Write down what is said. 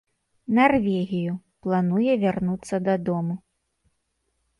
Нарвегію, плануе вярнуцца дадому.